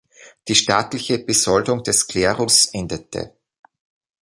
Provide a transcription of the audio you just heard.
Die staatliche Besoldung des Klerus endete.